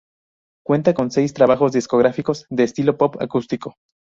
Cuenta con seis trabajos discográficos, de estilo pop acústico.